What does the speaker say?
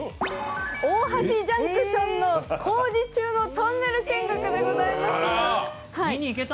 大橋ジャンクションの工事中のトンネル見学でございます。